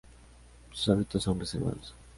Sus hábitos son reservados.